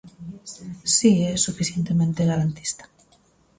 Si, é suficientemente garantista.